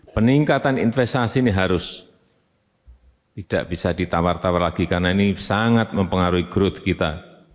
peningkatan investasi ini harus tidak bisa ditawar tawar lagi karena ini sangat mempengaruhi growth kita